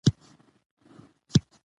قلم د عدالت همکار دی